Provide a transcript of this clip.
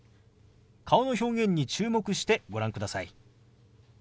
顔の表現に注目してご覧ください。